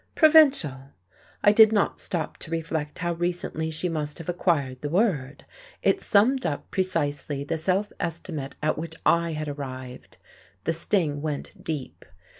Provincial! I did not stop to reflect how recently she must have acquired the word; it summed up precisely the self estimate at which I had arrived. The sting went deep.